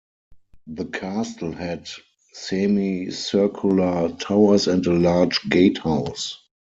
The Castle had semicircular towers and a large gatehouse.